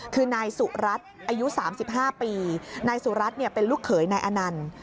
คือนายสุรัตน์อายุ๓๕ปีนายสุรัตน์เป็นลูกเขยนายอนันต์